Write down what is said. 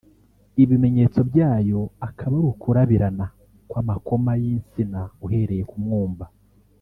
ibimenyetso byayo akaba ari ukurabirana kw’amakoma y’insina uhereye ku mwumba